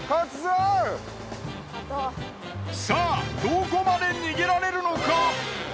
さあどこまで逃げられるのか！？